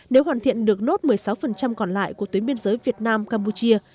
nếu hoàn thiện được nốt một mươi sáu còn lại của tuyến biên giới việt nam campuchia